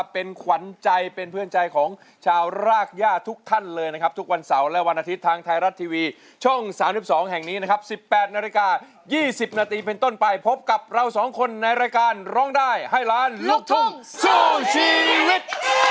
เป็นต้นป้ายพบกับเราสองคนในรายการร้องได้ให้ล้านลูกทุ่งสู้ชีวิต